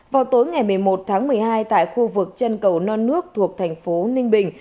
vào tối ngày một mươi một tháng một mươi hai tại khu vực chân cầu non nước thuộc thành phố ninh bình